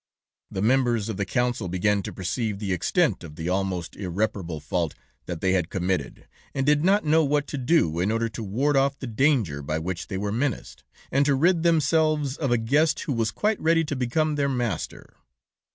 "The members of the Council began to perceive the extent of the almost irreparable fault that they had committed, and did not know what to do in order to ward off the danger by which they were menaced, and to rid themselves of a guest who was quite ready to become their master.